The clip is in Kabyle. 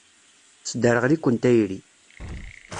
Tesderɣel-iken tayri.